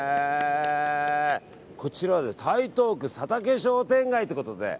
こちらは台東区佐竹商店街ということで。